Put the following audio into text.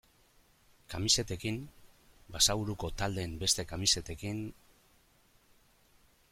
Kamisetekin, Basaburuko taldeen beste kamisetekin...